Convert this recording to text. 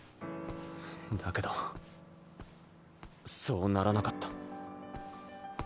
だけどそうならなかった。